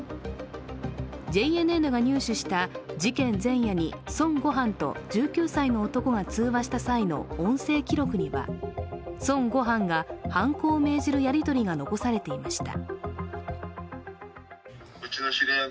ＪＮＮが入手した事件前夜に孫悟飯と１９歳の男が通話した際の音声記録には孫悟飯が犯行を命じるやり取りが残されていました。